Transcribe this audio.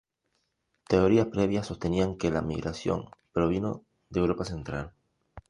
Teorías previas sostenían que la migración provino de Europa central.